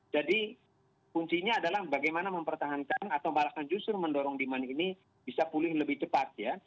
jadi kuncinya adalah bagaimana mempertahankan atau malah kan justru mendorong demand ini bisa pulih lebih cepat